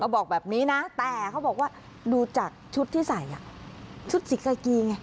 บอกแบบนี้นะเพราะดูจากชุดที่ใส่ชุดศิกระกี